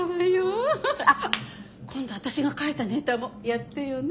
あっ今度私が書いたネタもやってよね。